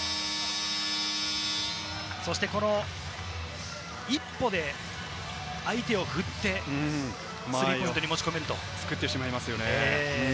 そして、この１歩で相手を振ってスリーポイントに持ち込む。